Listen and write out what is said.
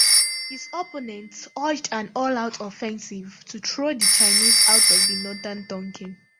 His opponents urged an all-out offensive to throw the Chinese out of northern Tonkin.